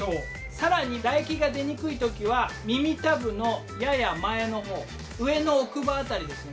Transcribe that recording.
更に唾液が出にくい時は耳たぶのやや前の方上の奥歯辺りですね。